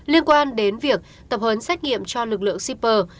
liên quan đến việc tập hấn xét nghiệm cho lực lượng sipr